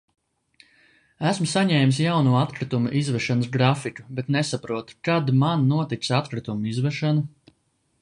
Esmu saņēmis jauno atkritumu izvešanas grafiku, bet nesaprotu, kad man notiks atkritumu izvešana?